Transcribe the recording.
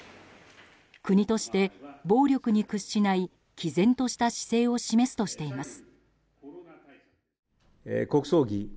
国として暴力に屈しない毅然とした姿勢を示すとしています。